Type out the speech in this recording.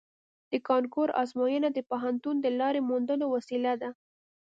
د کانکور ازموینه د پوهنتون د لارې موندلو وسیله ده